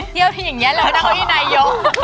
เที่ยวที่อย่างนี้เลยนั่งเก้าอี้นายก